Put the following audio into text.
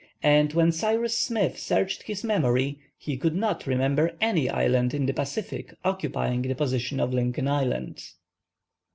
And when Cyrus Smith searched his memory, he could not remember any island in the Pacific occupying the position of Lincoln Island.